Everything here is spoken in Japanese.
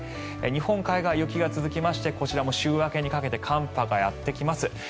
日本海側は雪が続いてこちらも週明けにかけて寒波がやってきます。